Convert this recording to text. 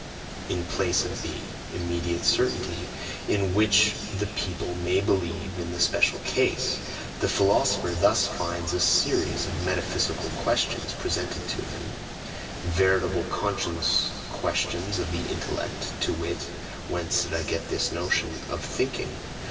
In place of the "immediate certainty" in which the people may believe in the special case, the philosopher thus finds a series of metaphysical questions presented to him, veritable conscience questions of the intellect, to wit: "Whence did I get the notion of 'thinking'?